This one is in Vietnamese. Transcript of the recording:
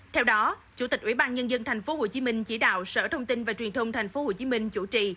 theo đó chủ tịch ubnd tp hcm chỉ đạo sở thông tin và truyền thông tp hcm chủ trì